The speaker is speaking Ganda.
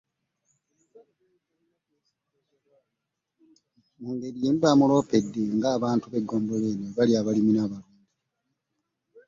Mu ngeri y'emu bamuloopedde ng'abantu b'eggombolola eno bwe bali abalimi n'abalunzi